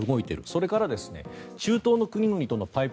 それから、中東の国々とのパイプ